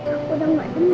aku udah nggak demam